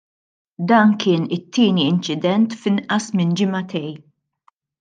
Dan kien it-tieni incident f'inqas minn ġimagħtejn.